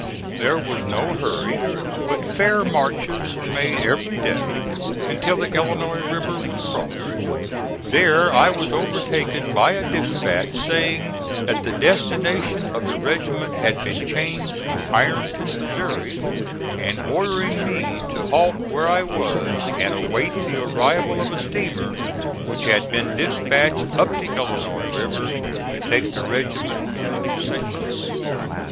There was no hurry, but fair marches were made every day until the Illinois River was crossed. There I was overtaken by a dispatch saying that the destination of the regiment had been changed to Ironton, Missouri, and ordering me to halt where I was and await the arrival of a steamer which had been dispatched up the Illinois River to take the regiment to St. Louis.